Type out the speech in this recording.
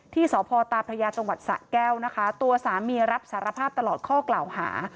ที่สพตาพระยาจังหวัดสะแก้วนะคะตัวสามีรับสารภาพตลอดข้อกล่าวหา